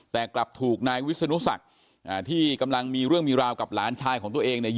แต่กลับถูกนายวิศนุศักดิ์ที่กำลังมีเรื่องมีราวกับหลานชายของตัวเองเนี่ย